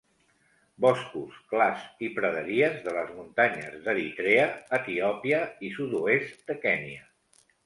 Boscos, clars i praderies de les muntanyes d'Eritrea, Etiòpia i sud-oest de Kenya.